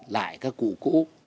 lại các cụ cũ